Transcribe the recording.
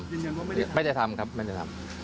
ยังยังว่าไม่ได้ทำไม่ได้ทำครับไม่ได้ทำ